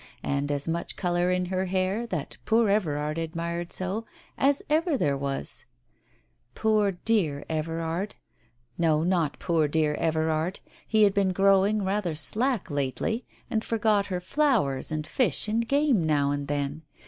And as much colour in her hair, that poor Everard admired so, as ever there was ! Poor dear Everard !... No, not poor dear Everard. He had been growing rather slack lately, and forgot her flowers and fish and game now and then.